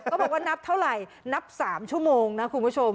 บอกว่านับเท่าไหร่นับ๓ชั่วโมงนะคุณผู้ชม